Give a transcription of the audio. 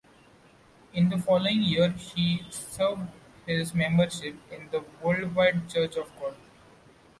In the following year he severed his membership in the Worldwide Church of God.